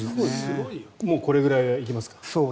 もうこれぐらいは行きますか？